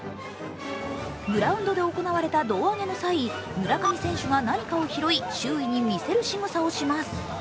グラウンドで行われた胴上げの際村上選手が何かを拾い、周囲に見せるしぐさをします。